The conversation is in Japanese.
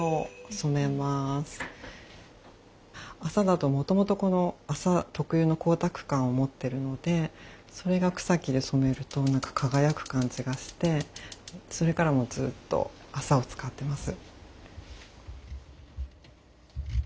麻だともともとこの麻特有の光沢感を持ってるのでそれが草木で染めると何か輝く感じがしてそれからもうずっと麻を使ってます。